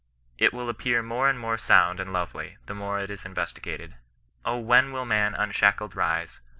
It will appear more and more sound and lovely the more it is investigated. *' 0, when will man nnshackled rise.